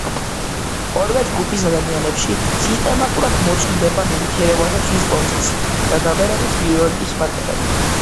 ორივე ჯგუფის ადამიანებში სისტემატურად მოწმდებოდა ნივთიერებათა ცვლის პროცესი და დაბერების ბიოლოგიური მარკერები.